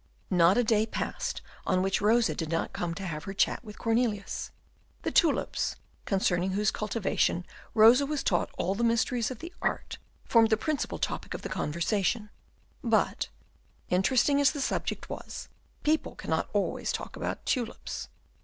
Not a day passed on which Rosa did not come to have her chat with Cornelius. The tulips, concerning whose cultivation Rosa was taught all the mysteries of the art, formed the principal topic of the conversation; but, interesting as the subject was, people cannot always talk about tulips.